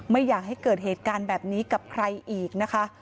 ไม่อยากให้เกิดเหตุการณ์แบบนี้กับใครอีกนะคะ